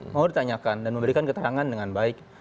mau ditanyakan dan memberikan keterangan dengan baik